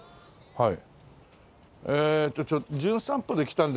はい。